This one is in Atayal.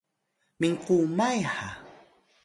minkumay ha